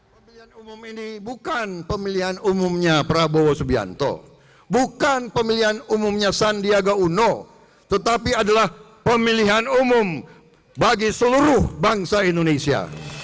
pemilihan umum ini bukan pemilihan umumnya prabowo subianto bukan pemilihan umumnya sandiaga uno tetapi adalah pemilihan umum bagi seluruh bangsa indonesia